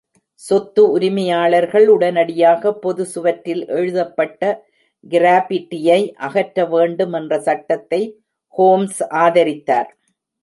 சொத்து உரிமையாளர்கள் உடனடியாக பொது சுவற்றில் எழுதப்பட்ட கிராஃபிட்டியை அகற்ற வேண்டும் என்ற சட்டத்தை ஹோம்ஸ் ஆதரித்தார்.